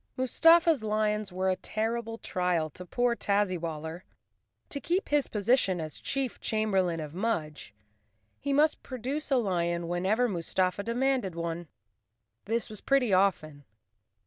Mustafa's lions were a terrible trial to poor Tazzy waller. To keep his position as chief chamberlain of Mudge, he must produce a lion whenever Mustafa de¬ manded one. This was pretty often.